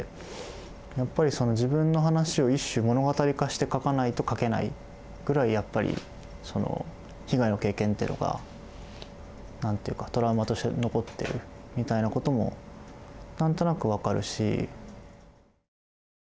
やっぱり自分の話を一種物語化して書かないと書けないぐらいやっぱりその被害の経験っていうのが何て言うかトラウマとして残ってるみたいなこともなんとなく分かるし。